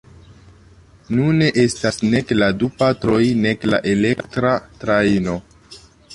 Nune estas nek la du partoj nek la elektra trajno.